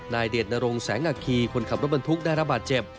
นายเดชน์นรงแสงอักขีคนขับรถบรรทุกได้รับบาดเจ็บ